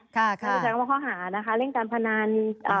ใช้คำว่าเข้าหานะคะเล่นการพนัน